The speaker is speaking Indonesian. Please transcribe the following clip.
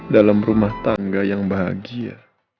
dalam rumah tangga yang bahagia